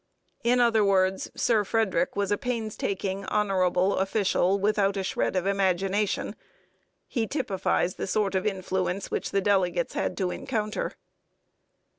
In other words, Sir Frederic was a painstaking honourable official without a shred of imagination. He typifies the sort of influence which the delegates had to encounter.